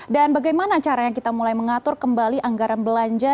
dan bagaimana caranya kita mulai mengatur kembali anggaran belanja